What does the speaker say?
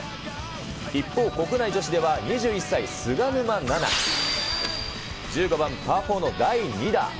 一方、国内女子では、２１歳、菅沼菜々。１５番パー４の第２打。